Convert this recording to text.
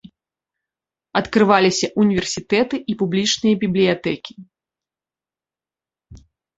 Адкрываліся ўніверсітэты і публічныя бібліятэкі.